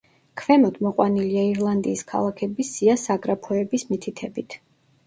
ქვემოთ მოყვანილია ირლანდიის ქალაქები სია საგრაფოების მითითებით.